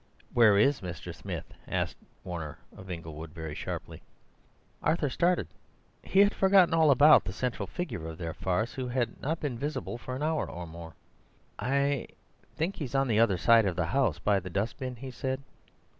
"Where is Mr. Smith?" asked Warner of Inglewood very sharply. Arthur started; he had forgotten all about the central figure of their farce, who had not been visible for an hour or more. "I—I think he's on the other side of the house, by the dustbin," he said.